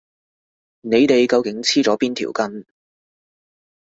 你哋究竟黐咗邊條筋？